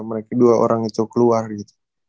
mereka dua orang itu keluar gitu